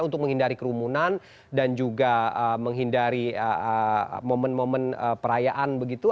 untuk menghindari kerumunan dan juga menghindari momen momen perayaan begitu